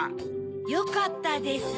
よかったです